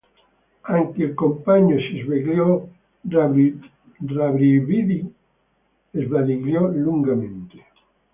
Anche il compagno si svegliò, rabbrividì, sbadigliò lungamente.